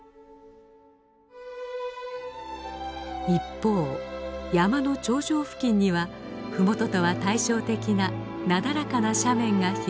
一方山の頂上付近にはふもととは対照的ななだらかな斜面が広がります。